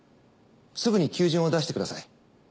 すぐに求人を出してください。